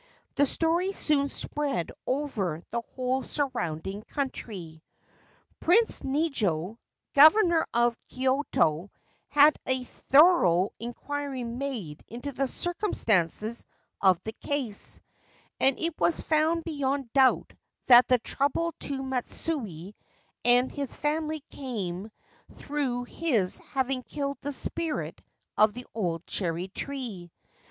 The story soon spread over the whole surrounding country. Prince Nijo, Governor of Kyoto, had a thorough inquiry made into the circumstances of the case ; and it was found beyond doubt that the trouble to Matsui and his family came through his having killed the spirit of the old cherry tree.